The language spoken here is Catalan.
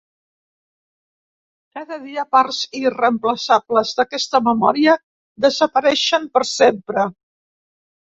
Cada dia parts irreemplaçables d'aquesta memòria desapareixen per sempre.